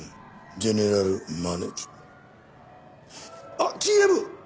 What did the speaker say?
あっＧＭ！